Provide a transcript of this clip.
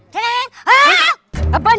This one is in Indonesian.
tengok ke kanan